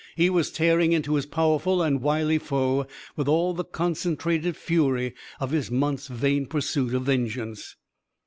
He was tearing into his powerful and wily foe with all the concentrated fury of his month's vain pursuit of vengeance.